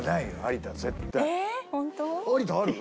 有田ある？